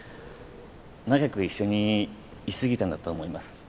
長く一緒にい過ぎたんだと思います。